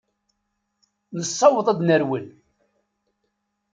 Nessaweḍ ad nerwel.